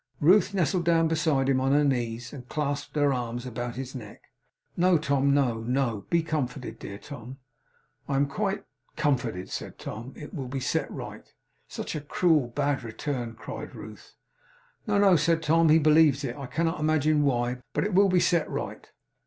Ruth nestled down beside him on her knees, and clasped her arms about his neck. 'No, Tom! No, no! Be comforted! Dear Tom!' 'I am quite comforted,' said Tom. 'It will be set right.' 'Such a cruel, bad return!' cried Ruth. 'No, no,' said Tom. 'He believes it. I cannot imagine why. But it will be set right.